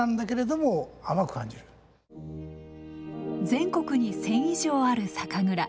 全国に１，０００以上ある酒蔵。